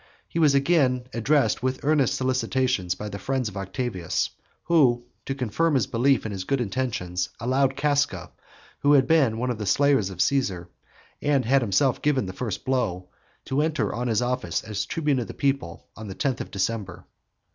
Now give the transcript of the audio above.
He was again addressed with earnest solicitations by the friends of Octavius, who, to confirm his belief in his good intentions, allowed Casca, who had been one of the slayers of Caesar, and had himself given him the first blow, to enter on his office as tribune of the people on the tenth of December.